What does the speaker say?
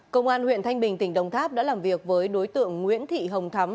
công an huyện thanh bình tỉnh đồng tháp đã làm việc với đối tượng nguyễn thị hồng thắm